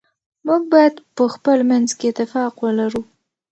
موږ باید په خپل منځ کي اتفاق ولرو.